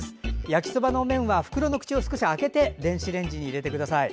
焼きそばの麺は袋の口を少し開けて電子レンジに入れてください。